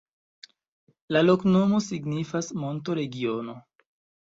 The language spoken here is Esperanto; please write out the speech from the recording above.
La loknomo signifas: monto-regiono.